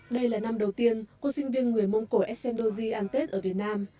đây là năm đầu tiên cô sinh viên người mông cổ esseng doji ăn tết ở việt nam